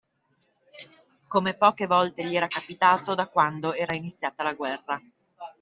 Come poche volte gli era capitato da quando era iniziata la guerra